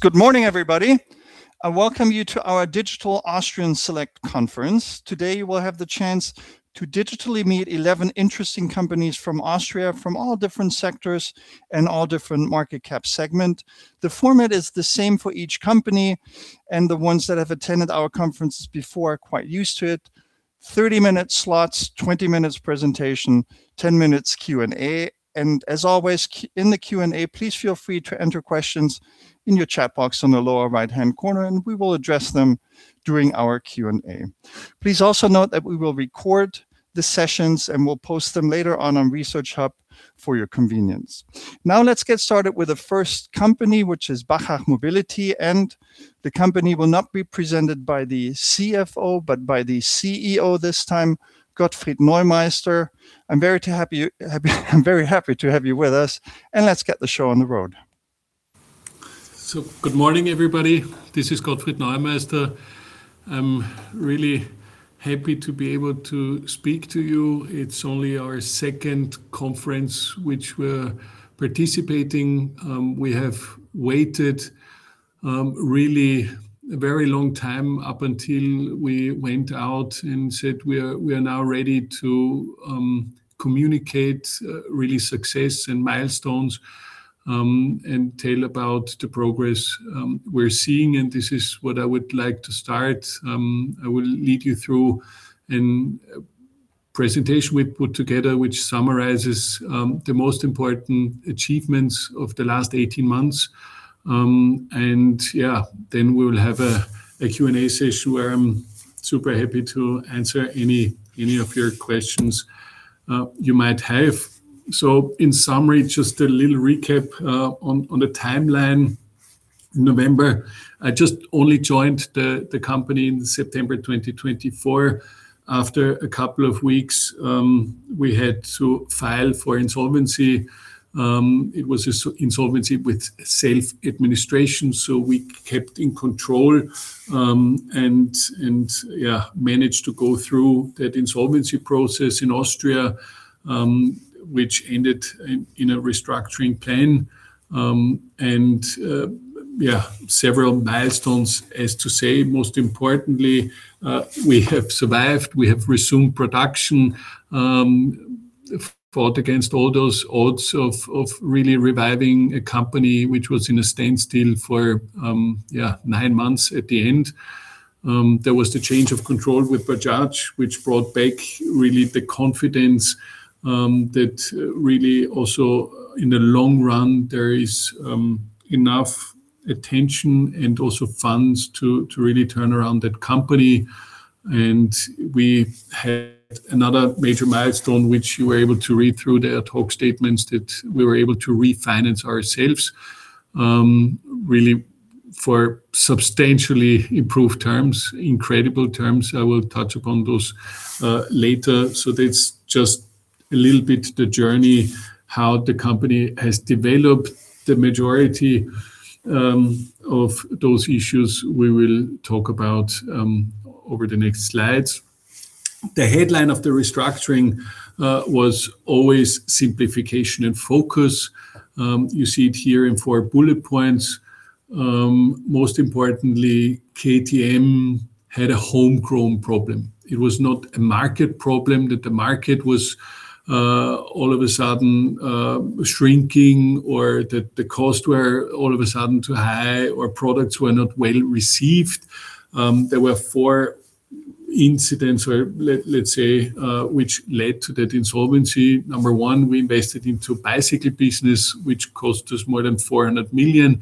Good morning, everybody. I welcome you to our digital Austrian Select Conference. Today, you will have the chance to digitally meet 11 interesting companies from Austria from all different sectors and all different market cap segment. The format is the same for each company, and the ones that have attended our conferences before are quite used to it. 30-minute slots, 20 minutes presentation, 10 minutes Q&A. As always, in the Q&A, please feel free to enter questions in your chat box on the lower right-hand corner, and we will address them during our Q&A. Please also note that we will record the sessions, and we'll post them later on on Research Hub for your convenience. Now let's get started with the first company, which is Bajaj Mobility, and the company will not be presented by the CFO but by the CEO this time, Gottfried Neumeister. I'm very happy to have you with us, and let's get the show on the road. Good morning, everybody. This is Gottfried Neumeister. I'm really happy to be able to speak to you. It's only our second conference, which we're participating. We have waited really a very long time up until we went out and said we are now ready to communicate really success and milestones. And tell about the progress we're seeing, and this is what I would like to start. I will lead you through an presentation we put together, which summarizes the most important achievements of the last 18 months. Yeah, then we will have a Q&A sessio. Where I'm super happy to answer any of your questions you might have. In summary, just a little recap on the timeline. In November. I just only joined the company in September 2024. After a couple of weeks, we had to file for insolvency. It was insolvency with self-administration, so we kept in control. And yeah, managed to go through that insolvency process in Austria, which ended in a restructuring plan. Yeah, several milestones as to say, most importantly, we have survived. We have resumed production, fought against all those odds of really reviving a company which was in a standstill for, yeah, nine months at the end. There was the change of control with Bajaj, which brought back really the confidence, that really also in the long run, there is enough attention and also funds to really turn around that company. We had another major milestone, which you were able to read through the ad hoc statements that we were able to refinance ourselves, really for substantially improved terms, incredible terms. I will touch upon those later. That's just a little bit the journey, how the company has developed. The majority of those issues we will talk about over the next slides. The headline of the restructuring was always simplification and focus. You see it here in four bullet points. Most importantly, KTM had a homegrown problem. It was not a market problem that the market was all of a sudden shrinking, or that the costs were all of a sudden too high, or products were not well-received. There were four incidents, let's say, which led to that insolvency. Number one, we invested into bicycle business, which cost us more than 400 million.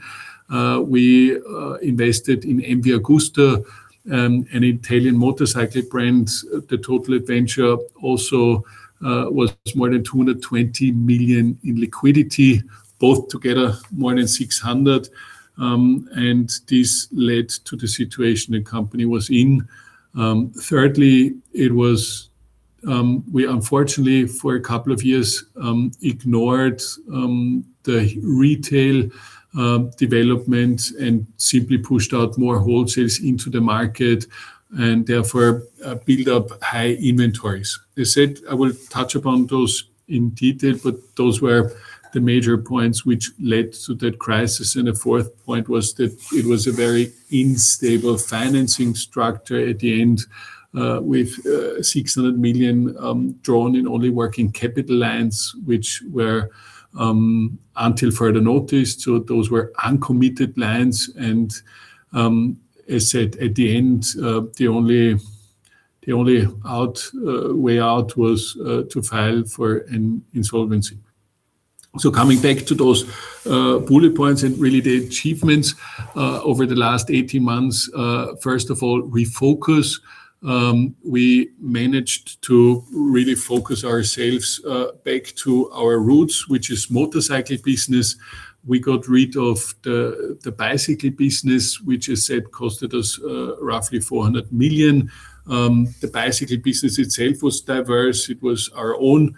We invested in MV Agusta, an Italian motorcycle brand. The total investment also was more than 220 million in liquidity, both together more than 600 million. This led to the situation the company was in. Thirdly, we unfortunately for a couple of years ignored the retail development and simply pushed out more wholesales into the market and therefore built up high inventories. As said, I will touch upon those in detail, but those were the major points which led to that crisis. The fourth point was that it was a very unstable financing structure at the end, with 600 million drawn in only working capital lines, which were until further notice. Those were uncommitted lines and as said at the end, the only way out was to file for an insolvency. Coming back to those bullet points and really the achievements over the last 18 months. First of all, refocus. We managed to really focus ourselves back to our roots, which is motorcycle business. We got rid of the bicycle business, which I said cost us roughly 400 million. The bicycle business itself was diverse. It was our own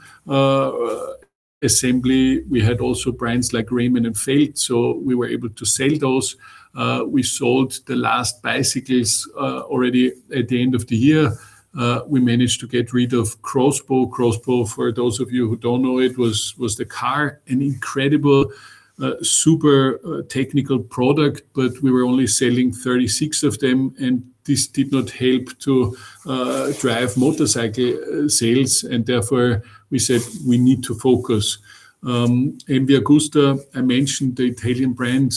assembly. We had also brands like Raymon and Felt, so we were able to sell those. We sold the last bicycles already at the end of the year. We managed to get rid of X-Bow. X-Bow, for those of you who don't know it, was the car, an incredible super technical product, but we were only selling 36 of them, and this did not help to drive motorcycle sales, and therefore we said we need to focus. MV Agusta, I mentioned the Italian brand,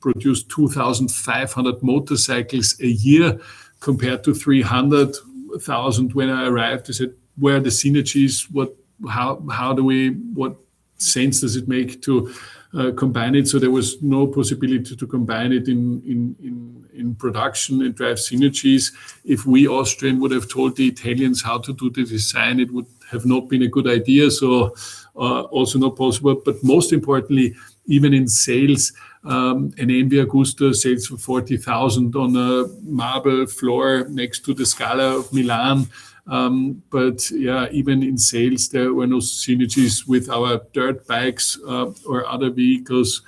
produced 2,500 motorcycles a year compared to 300,000 when I arrived. I said, where are the synergies? What sense does it make to combine it? There was no possibility to combine it in production and drive synergies. If we Austrians would have told the Italians how to do the design, it would have not been a good idea, so also not possible. Most importantly, even in sales, in MV Agusta, sales were 40,000 on a marble floor next to La Scala in Milan. Yeah, even in sales, there were no synergies with our dirt bikes or other vehicles.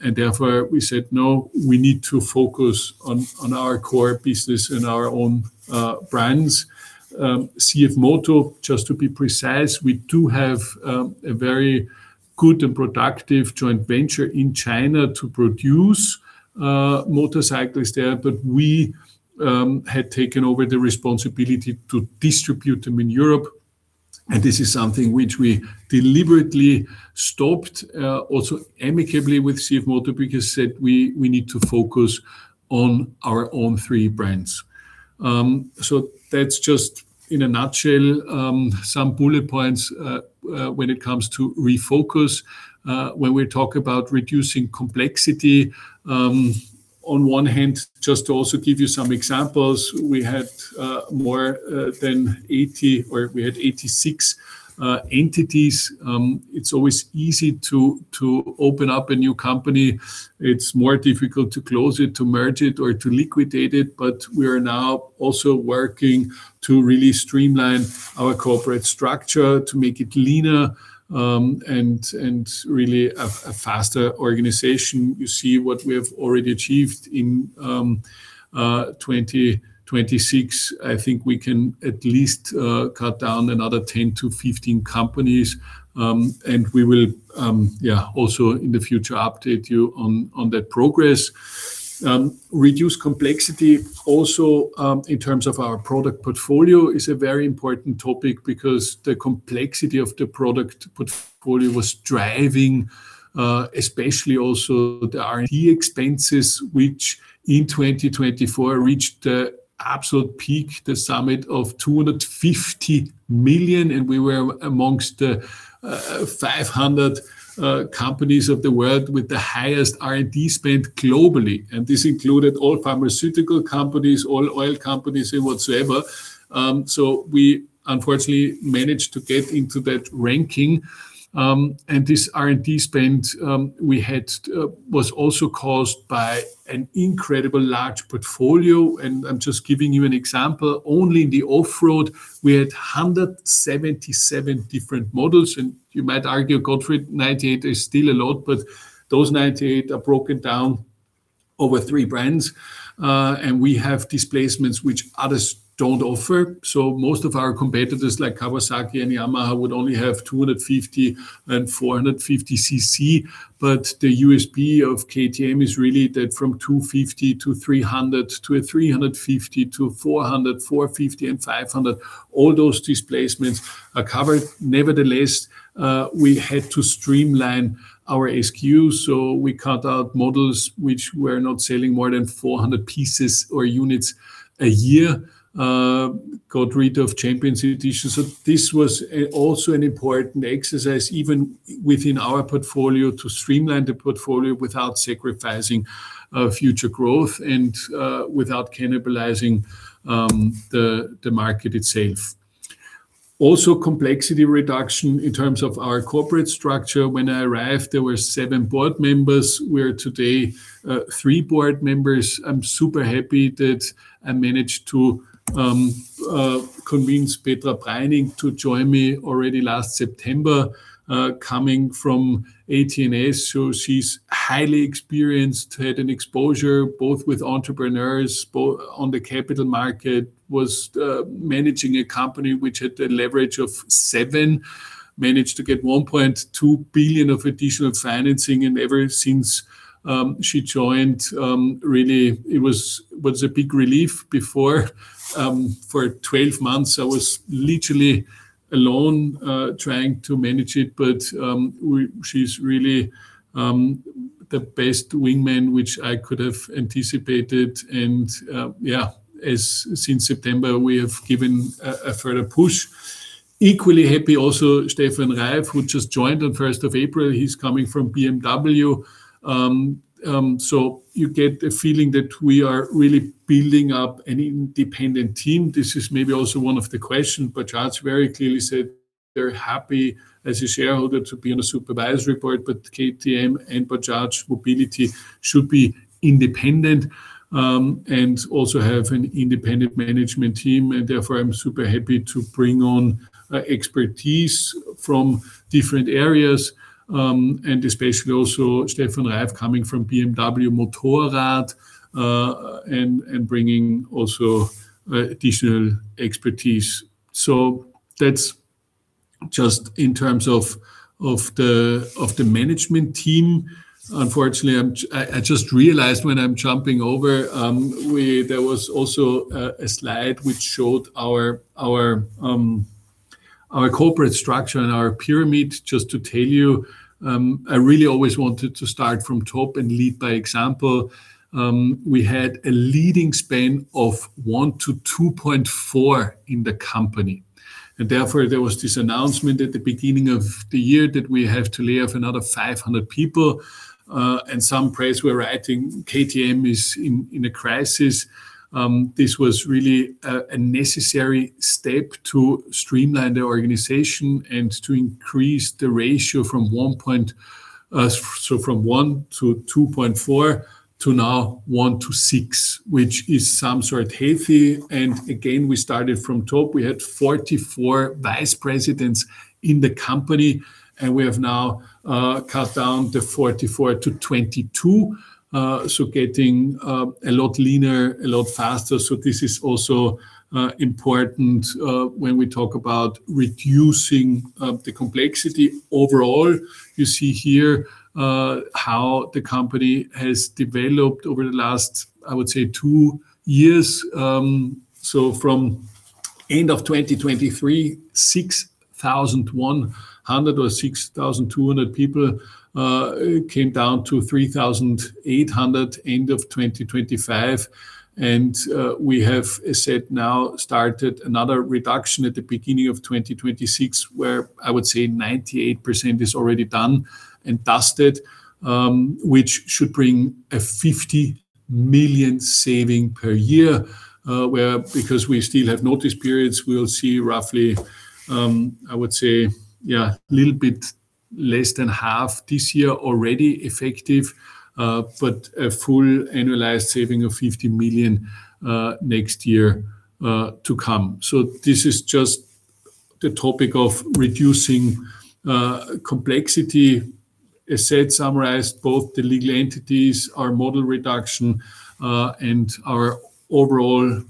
Therefore we said, no, we need to focus on our core business and our own brands. CFMOTO, just to be precise, we do have a very good and productive joint venture in China to produce motorcycles there. We had taken over the responsibility to distribute them in Europe, and this is something which we deliberately stopped, also amicably with CFMOTO, because we said we need to focus on our own three brands. That's just in a nutshell, some bullet points when it comes to refocus, when we talk about reducing complexity. On one hand, just to also give you some examples, we had more than 80 entities, or we had 86 entities. It's always easy to open up a new company. It's more difficult to close it, to merge it, or to liquidate it. But we are now also working to really streamline our corporate structure to make it leaner, and really a faster organization. You see what we have already achieved in 2026. I think we can at least cut down another 10 companies-15 companies. We will, yeah, also in the future, update you on that progress. Reduce complexity also in terms of our product portfolio is a very important topic because the complexity of the product portfolio was driving, especially also the R&D expenses. Which in 2024 reached the absolute peak, the summit of 250 million, and we were amongst the 500 companies of the world with the highest R&D spend globally. This included all pharmaceutical companies, all oil companies, and whatsoever. We unfortunately managed to get into that ranking. This R&D spend we had was also caused by an incredibly large portfolio, and I'm just giving you an example. Only in the off-road, we had 177 different models, and you might argue, Gottfried, 98 is still a lot, but those 98 are broken down over three brands, and we have displacements which others don't offer. Most of our competitors, like Kawasaki and Yamaha, would only have 250 cc and 450 cc, but the USP of KTM is really that from 250 cc-300 cc, to a 350 cc-400 cc, 450 cc and 500 cc, all those displacements are covered. Nevertheless, we had to streamline our SKUs, so we cut out models which were not selling more than 400 pieces or units a year, got rid of championship editions. This was also an important exercise, even within our portfolio, to streamline the portfolio without sacrificing future growth and without cannibalizing the market itself. Also, complexity reduction in terms of our corporate structure. When I arrived, there were seven Board members. We are today three Board members. I'm super happy that I managed to convince Petra Preining to join me already last September, coming from AT&S. So she's highly experienced, had an exposure both with entrepreneurs, both on the capital market, was managing a company which had a leverage of seven. Managed to get 1.2 billion of additional financing, and ever since she joined, really, it was a big relief. Before, for 12 months, I was literally alone, trying to manage it. She's really the best wingman which I could have anticipated, and yeah, since September, we have given a further push. I'm equally happy also, Steven Rabe, who just joined on 1st of April. He's coming from BMW. You get a feeling that we are really building up an independent team. This is maybe also one of the questions, but Charles very clearly said. Very happy as a shareholder to be on a Supervisory board, but KTM and Bajaj Mobility should be independent and also have an independent management team. Therefore, I'm super happy to bring on expertise from different areas, and especially also Steven Rabe coming from BMW Motorrad, and bringing also additional expertise. That's just in terms of the management team. Unfortunately, I just realized when I'm jumping over, there was also a slide which showed our corporate structure and our pyramid, just to tell you. I really always wanted to start from top and lead by example. We had a leading span of 1-2.4 in the company. Therefore, there was this announcement at the beginning of the year that we have to lay off another 500 people. Some press were writing KTM is in a crisis. This was really a necessary step to streamline the organization and to increase the ratio from 1-2.4 to now 1-6, which is somewhat healthy. Again, we started from top. We had 44 Vice Presidents in the company, and we have now cut down the 44 to 22. Getting a lot leaner, a lot faster. This is also important when we talk about reducing the complexity overall. You see here how the company has developed over the last, I would say, two years. From end of 2023, 6,100 or 6,200 people came down to 3,800 end of 2025. We have now started another reduction at the beginning of 2026. Where I would say 98% is already done and dusted, which should bring a 50 million saving per year. We're, because we still have notice periods, we'll see roughly, I would say, a little bit less than half this year already effective, but a full annualized saving of 50 million next year to come. This is just the topic of reducing complexity. As said, summarized both the legal entities, our model reduction, and our overall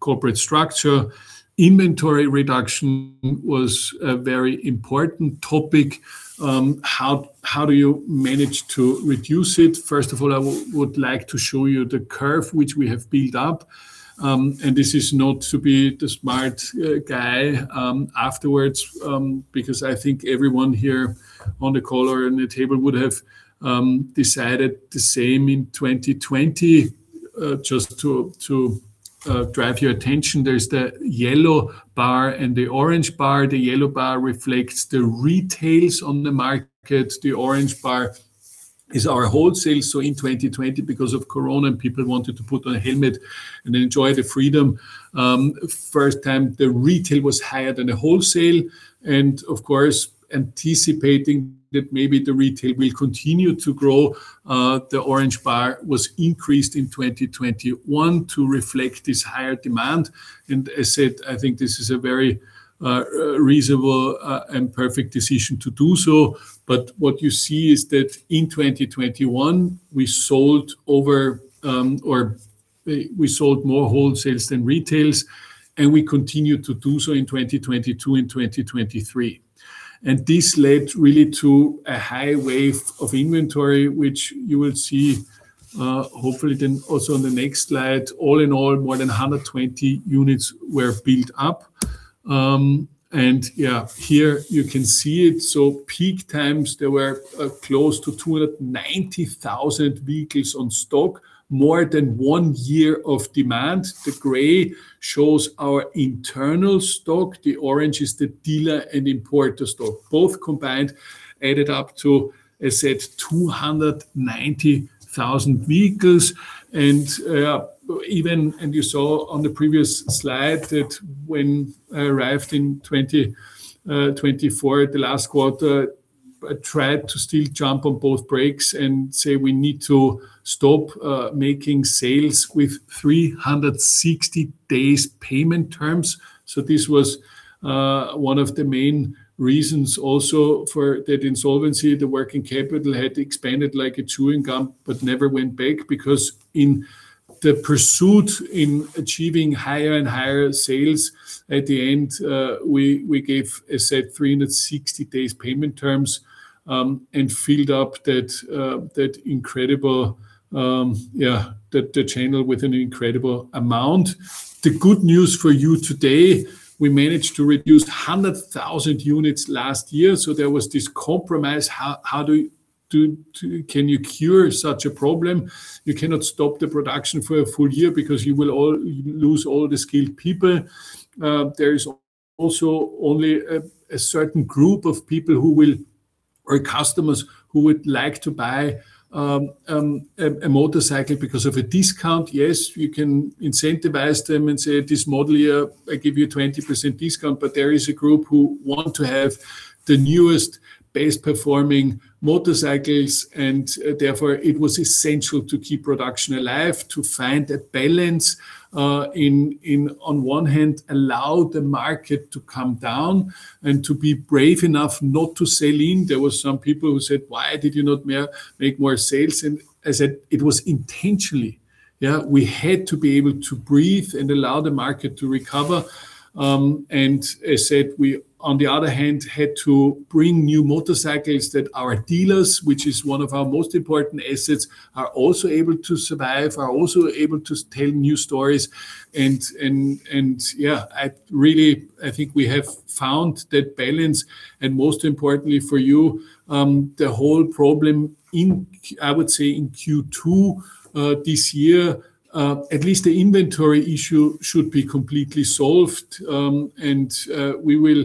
corporate structure. Inventory reduction was a very important topic. How do you manage to reduce it? First of all, I would like to show you the curve which we have built up. This is not to be the smart guy afterwards, because I think everyone here on the call or in the table would have decided the same in 2020. Just to draw your attention, there's the yellow bar and the orange bar. The yellow bar reflects the retails on the market. The orange bar is our wholesale. In 2020, because of Corona, people wanted to put on a helmet and enjoy the freedom. First time the retail was higher than the wholesale. Of course, anticipating that maybe the retail will continue to grow, the orange bar was increased in 2021 to reflect this higher demand. As said, I think this is a very reasonable and perfect decision to do so. What you see is that in 2021, we sold more wholesales than retails, and we continued to do so in 2022 and 2023. This led really to a high wave of inventory, which you will see hopefully then also on the next slide. All-in-all, more than 120 units were built up. Yeah, here you can see it. Peak times, there were close to 290,000 vehicles on stock, more than one year of demand. The gray shows our internal stock. The orange is the dealer and importer stock. Both combined added up to, as said, 290,000 vehicles. You saw on the previous slide that when I arrived in 2024, the last quarter, I tried to still jump on both brakes and say we need to stop making sales with 360 days payment terms. This was one of the main reasons also for that insolvency. The working capital had expanded like a chewing gum but never went back because in the pursuit in achieving higher and higher sales, at the end, we gave, as said, 360 days payment terms, and filled up the channel with an incredible amount. The good news for you today. We managed to reduce 100,000 units last year. There was this compromise. How can you cure such a problem? You cannot stop the production for a full year because you will lose all the skilled people. There is also only a certain group of people who will, or customers, who would like to buy a motorcycle because of a discount. Yes, you can incentivize them and say, this model year, I give you 20% discount. There is a group who want to have the newest, best performing motorcycles, and therefore, it was essential to keep production alive, to find a balance. On one hand, allow the market to come down and to be brave enough not to sell in. There were some people who said, why did you not make more sales? I said it was intentionally. We had to be able to breathe and allow the market to recover. I said, on the other hand, we had to bring new motorcycles that our dealers, which is one of our most important assets, are also able to survive, are also able to tell new stories. Yeah, I think we have found that balance and most importantly for you, the whole problem, I would say, in Q2 this year, at least the inventory issue should be completely solved. We will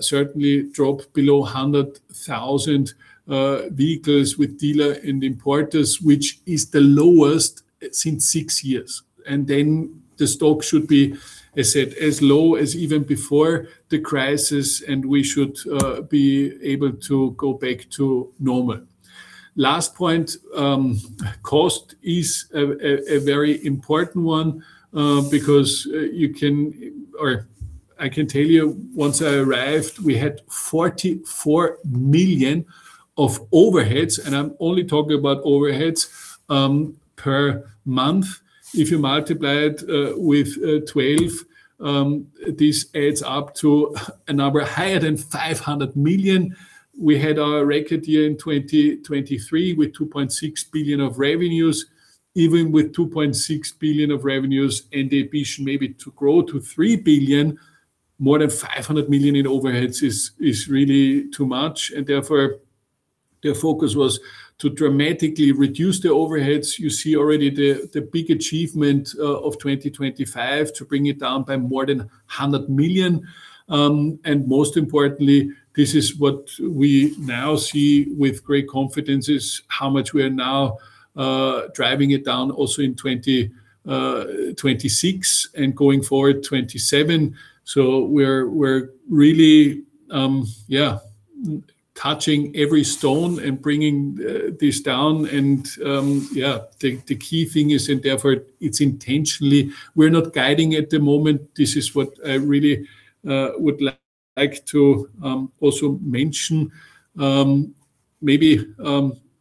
certainly drop below 100,000 vehicles with dealers and importers, which is the lowest since six years. Then the stock should be, as said, as low as even before the crisis, and we should be able to go back to normal. Last point, cost is a very important one, because I can tell you once I arrived, we had 44 million of overheads, and I'm only talking about overheads, per month. If you multiply it with 12, this adds up to a number higher than 500 million. We had our record year in 2023 with 2.6 billion of revenues. Even with 2.6 billion of revenues and the ambition maybe to grow to 3 billion, more than 500 million in overheads is really too much. And therefore, the focus was to dramatically reduce the overheads. You see already the big achievement of 2025 to bring it down by more than 100 million. Most importantly, this is what we now see with great confidence is how much we are now driving it down also in 2026 and going forward 2027. We're really touching every stone and bringing this down and the key thing is therefore it's intentionally, we're not guiding at the moment. This is what I really would like to also mention. Maybe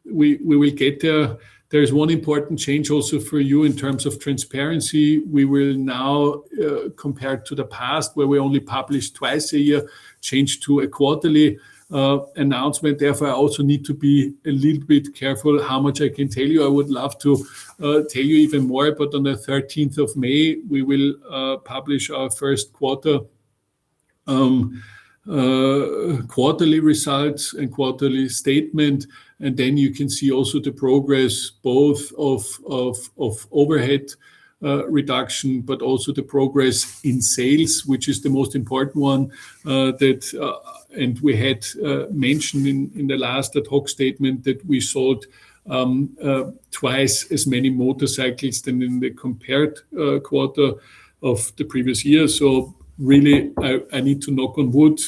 we will get there. There is one important change also for you in terms of transparency. We will now, compared to the past where we only published twice a year, change to a quarterly announcement. Therefore, I also need to be a little bit careful how much I can tell you. I would love to tell you even more, but on the 13th of May, we will publish our first quarter results and quarterly statement. Then you can see also the progress both of overhead reduction, but also the progress in sales, which is the most important one. We had mentioned in the last ad hoc statement that we sold twice as many motorcycles than in the comparable quarter of the previous year. Really I need to knock on wood.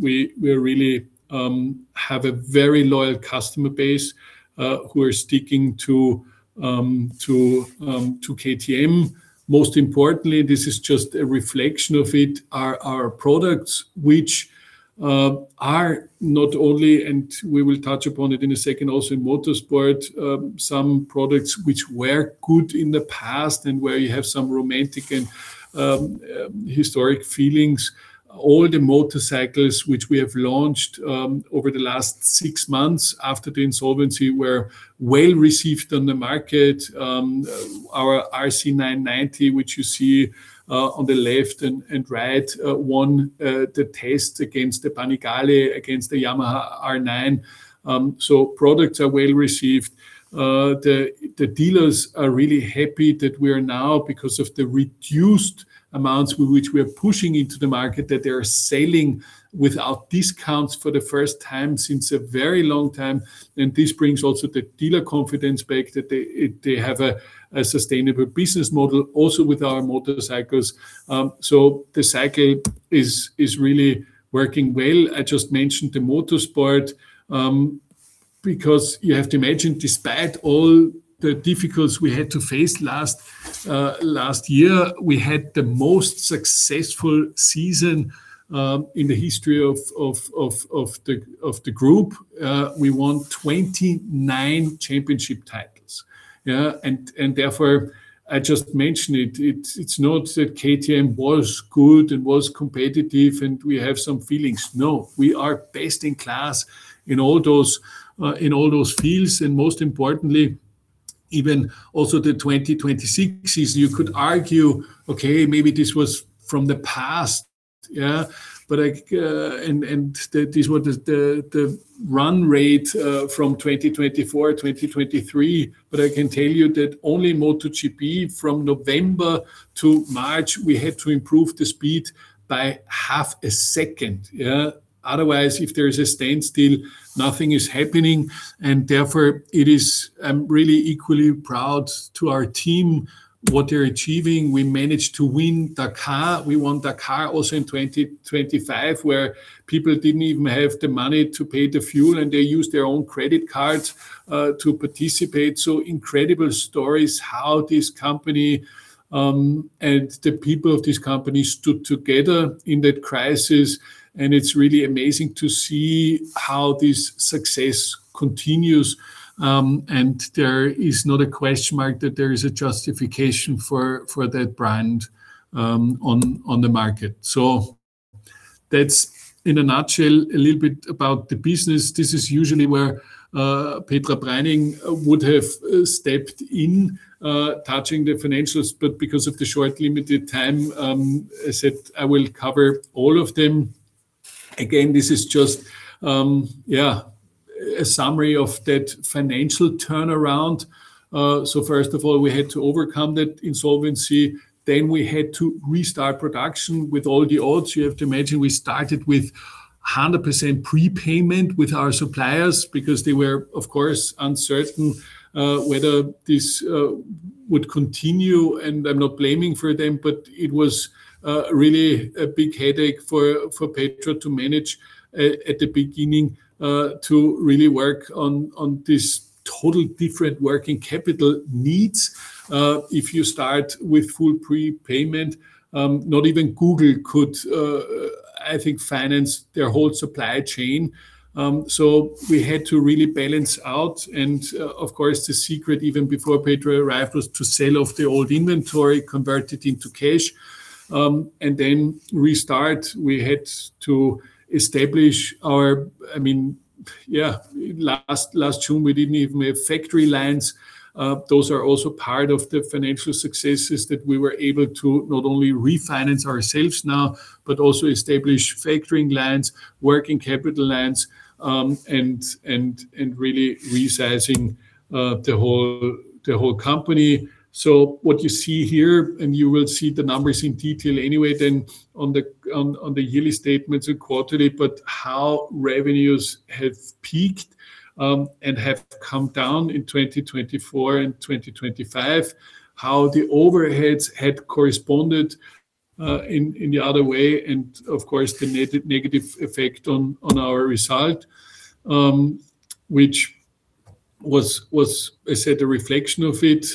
We really have a very loyal customer base who are sticking to KTM. Most importantly, this is just a reflection of what are our products, which are not only, and we will touch upon it in a second also in motorsport, some products which were good in the past and where you have some romantic and historic feelings. All the motorcycles which we have launched over the last six months after the insolvency were well received on the market. Our RC 990, which you see on the left and right, won the test against the Panigale, against the Yamaha R9. So products are well received. The dealers are really happy that we are now, because of the reduced amounts with which we are pushing into the market, that they are selling without discounts for the first time since a very long time. This brings also the dealer confidence back that they have a sustainable business model also with our motorcycles. The cycle is really working well. I just mentioned the motorsport, because you have to imagine, despite all the difficulties we had to face last year, we had the most successful season in the history of the group. We won 29 championship titles. Therefore, I just mentioned it's not that KTM was good and was competitive and we have some feelings. No, we are best in class in all those fields, and most importantly, even also the 2026 season, you could argue, okay, maybe this was from the past. Yeah. That is what the run rate from 2024, 2023, but I can tell you that only MotoGP from November to March, we had to improve the speed by half a second. Otherwise, if there is a standstill, nothing is happening. Therefore, it is really equally proud to our team, what they're achieving. We managed to win Dakar. We won Dakar also in 2025, where people didn't even have the money to pay the fuel, and they used their own credit cards to participate. Incredible stories how this company, and the people of this company stood together in that crisis. It's really amazing to see how this success continues. There is not a question mark that there is a justification for that brand on the market. That's in a nutshell, a little bit about the business. This is usually where Petra Preining would have stepped in, touching the financials. Because of the short, limited time, I said I will cover all of them. Again, this is just a summary of that financial turnaround. First of all, we had to overcome that insolvency. We had to restart production with all the odds. You have to imagine, we started with 100% prepayment with our suppliers because they were, of course, uncertain whether this would continue. I'm not blaming them, but it was really a big headache for Petra to manage at the beginning to really work on this total different working capital needs. If you start with full prepayment, not even Google could, I think, finance their whole supply chain. We had to really balance out, and of course, the secret, even before Petra arrived, was to sell off the old inventory, convert it into cash, and then restart. We had to establish our. Last June, we didn't even have factory lines. Those are also part of the financial successes that we were able to not only refinance ourselves now but also establish factory lines, working capital lines, and really resizing the whole company. What you see here, and you will see the numbers in detail anyway then on the yearly statements and quarterly, but how revenues have peaked and have come down in 2024 and 2025. How the overheads had corresponded in the other way and, of course, the negative effect on our result, which was, I said, a reflection of it.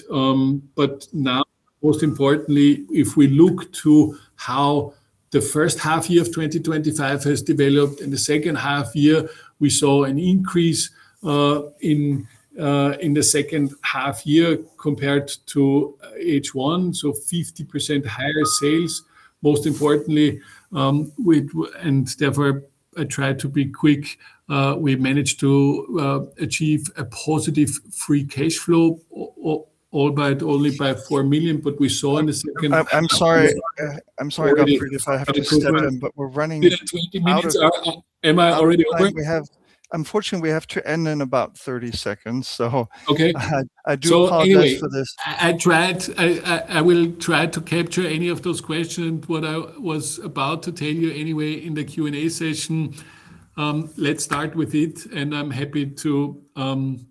Now, most importantly, if we look to how the first half year of 2025 has developed and the second half year, we saw an increase in the second half year compared to H1, so 50% higher sales. Most importantly, and therefore, I try to be quick, we managed to achieve a positive free cash flow, albeit only by 4 million, but we saw in the second. I'm sorry, Gottfried, if I have to step in, but we're running out of time. Am I already over time? Unfortunately, we have to end in about 30 seconds. Okay. I do apologize for this. I will try to capture any of those questions, what I was about to tell you anyway in the Q&A session. Let's start with it, and I'm happy to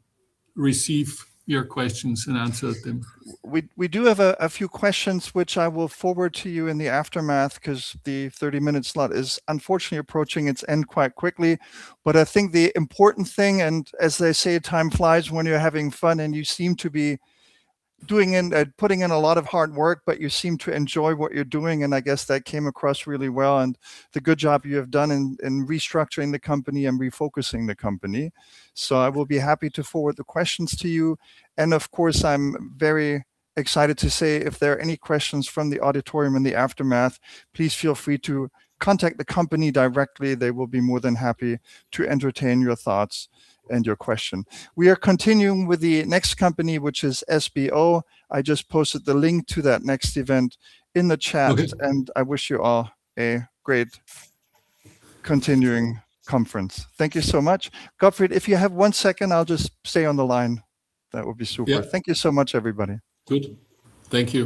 receive your questions and answer them. We do have a few questions which I will forward to you in the aftermath because the 30-minute slot is unfortunately approaching its end quite quickly. I think the important thing, and as they say, time flies when you're having fun, and you seem to be putting in a lot of hard work, but you seem to enjoy what you're doing, and I guess that came across really well, and the good job you have done in restructuring the company and refocusing the company. I will be happy to forward the questions to you. Of course, I'm very excited to say if there are any questions from the auditorium in the aftermath, please feel free to contact the company directly. They will be more than happy to entertain your thoughts and your question. We are continuing with the next company, which is SBO. I just posted the link to that next event in the chat. Okay. I wish you all a great continuing conference. Thank you so much. Gottfried, if you have one second, I'll just stay on the line. That would be super. Yeah. Thank you so much, everybody. Good. Thank you.